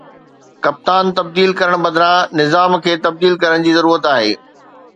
ڪپتان تبديل ڪرڻ بدران نظام کي تبديل ڪرڻ جي ضرورت آهي